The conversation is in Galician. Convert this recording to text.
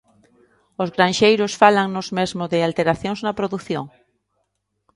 Os granxeiros fálannos mesmo de alteracións na produción.